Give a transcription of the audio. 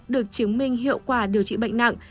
được chứng minh hiệu quả điều trị bệnh nặng